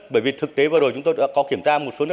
bởi vì thực tế vừa rồi chúng tôi đã có kiểm tra